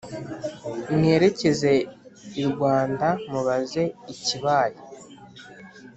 mwerekeze irwanda mubaze ikibaye"